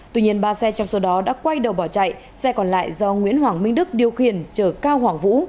tuy nhiên ba xe trong số đó đã quay đầu bỏ chạy xe còn lại do nguyễn hoàng minh đức điều khiển chở cao hoàng vũ